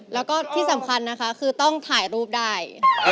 แล้วก็ที่สำคัญนะคะคือต้องถ่ายรูปได้